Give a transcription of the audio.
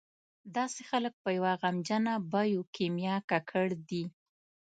داسې خلک په یوه غمجنه بیوکیمیا ککړ دي.